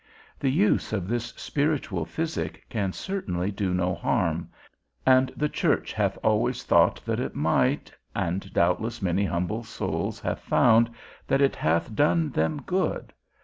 The use of this spiritual physic can certainly do no harm; and the church hath always thought that it might, and, doubtless, many humble souls have found, that it hath done them good.